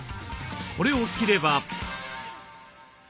これを切れば。